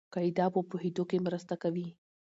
قاعده په پوهېدو کښي مرسته کوي.